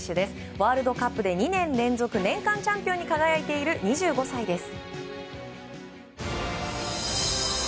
ワールドカップで２年連続年間チャンピオンに輝いている２５歳です。